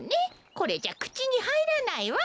これじゃくちにはいらないわ。